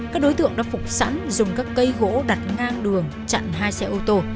các đối tượng đã phục sẵn dùng các cây gỗ đặt ngang đường chặn hai xe ô tô